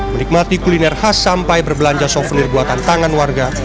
menikmati kuliner khas sampai berbelanja souvenir buatan tangan warga